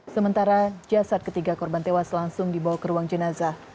sementara jasad ketiga korban tewas langsung dibawa ke ruang jenazah